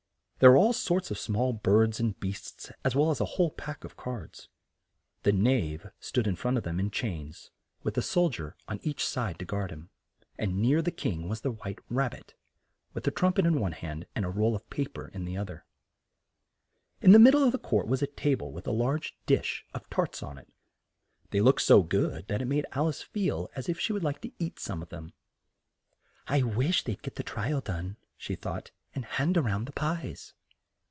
There were all sorts of small birds and beasts, as well as the whole pack of cards. The Knave stood in front of them in chains, with a sol dier on each side to guard him; and near the King was the White Rab bit, with a trum pet in one hand and a roll of pa per in the other. In the mid dle of the court was a ta ble with a large dish of tarts on it. They looked so good that it made Al ice feel as if she would like to eat some of them. "I wish they'd get the tri al done," she thought, "and hand round the pies!"